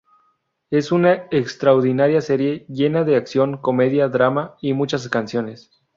Es una extraordinaria serie llena de acción, comedia, drama y muchas canciones.